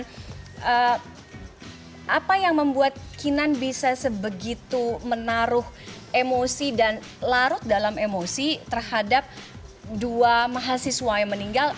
dan apa yang membuat kinan bisa sebegitu menaruh emosi dan larut dalam emosi terhadap dua mahasiswa yang meninggal